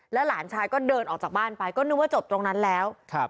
หลานชายก็เดินออกจากบ้านไปก็นึกว่าจบตรงนั้นแล้วครับ